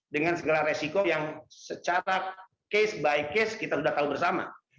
dengan segala resiko yang secara case by case kita sudah tahu bersama